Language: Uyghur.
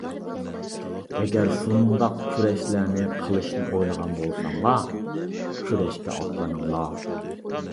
ئەگەر شۇنداق كۈرەشلەرنى قىلىشنى ئويلىغان بولساڭلار كۈرەشكە ئاتلىنىڭلار!